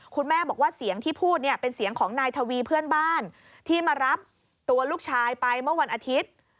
คุณแม่บอกว่าเสียงที่พูดเนี่ยเป็นเสียงของนายทวีเพื่อนบ้านที่มารับตัวลูกชายไปเมื่อวันอาทิตย์